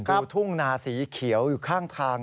คือทุ่งนาสีเขียวอยู่ข้างทาง